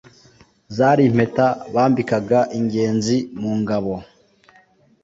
zari impeta bambikaga ingenzi mu ngabo